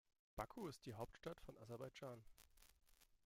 Baku ist die Hauptstadt von Aserbaidschan.